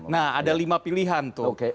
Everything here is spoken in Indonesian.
nah ada lima pilihan tuh